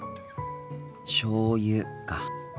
しょうゆか。